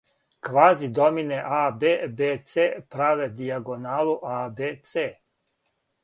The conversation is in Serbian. квази домине аб-бц праве дијагоналу абц